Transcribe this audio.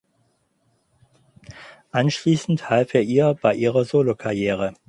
Anschließend half er ihr bei ihrer Solokarriere.